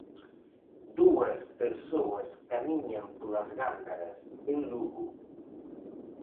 Dúas persoas camiñan polas Gándaras, en Lugo.